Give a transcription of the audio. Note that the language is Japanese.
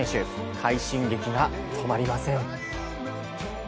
快進撃が止まりません。